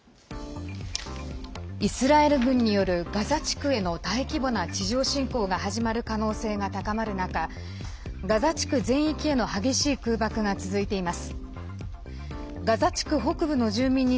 イスラエル軍によるガザ地区への大規模な地上侵攻が始まる可能性が高まる中ガザ地区全域への激しい空爆が続いています。